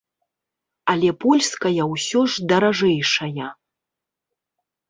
Але польская ўсё ж даражэйшая.